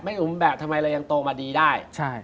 ไม่สมบูรณ์แบบทำไมเรายังโตมาดีได้